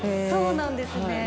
そうなんですね。